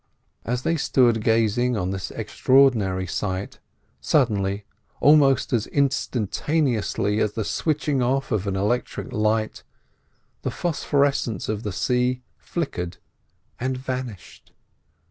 As they stood gazing on this extraordinary sight, suddenly, almost as instantaneously as the switching off of an electric light, the phosphorescence of the sea flickered and vanished.